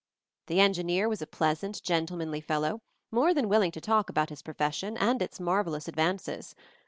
The engineer was a pleasant, gentlemanly fellow, more than willing to talk about his profession and its marvellous advances.